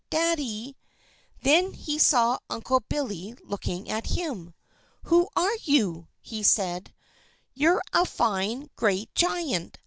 Daddy!" Then he saw Uncle Billy looking at him. "Who are you?" he said. "You're a fine, great giant!